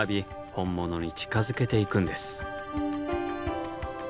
本物に近づけていくんです。